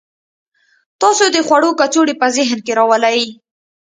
تاسو د خوړو کڅوړه په ذهن کې راولئ